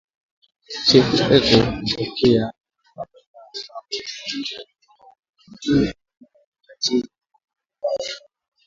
Chefu eko na pokeya paka ba mama, njuu aba kachiye ma mpango